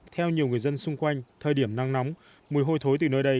theo nhiều người dân xung quanh thời điểm năng nóng mùi hơi thối từ nơi đây